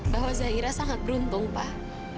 bahwa zahira sangat beruntung pak